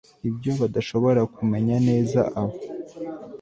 Ibyo badashobora kumenya neza aho